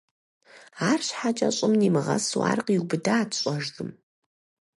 АрщхьэкӀэ щӀым нимыгъэсу ар къиубыдат щӀэжым.